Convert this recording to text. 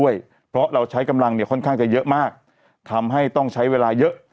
เยอะมากทำให้ต้องใช้เวลาเยอะ